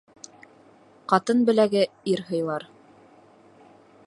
Ҡатын беләге ир һыйлар